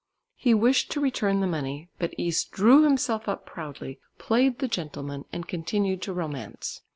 He wished to return the money, but Is drew himself up proudly, played the "gentleman" and continued to romance.